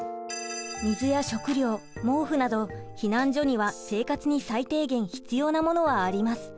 水や食料毛布など避難所には生活に最低限必要なものはあります。